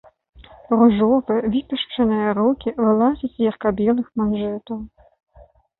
Ружовыя выпешчаныя рукі вылазяць з ярка-белых манжэтаў.